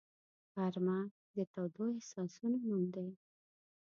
غرمه د تودو احساسونو نوم دی